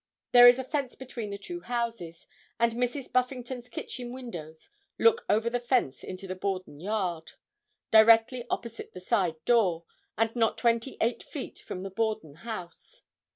There is a fence between the two houses, and Mrs. Buffington's kitchen windows look over the fence into the Borden yard, directly opposite the side door, and not twenty eight feet from the Borden house.